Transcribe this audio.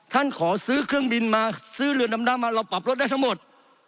ขอซื้อเครื่องบินมาซื้อเรือนดำน้ำมาเราปรับรถได้ทั้งหมด